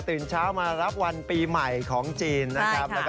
เช้ามารับวันปีใหม่ของจีนนะครับ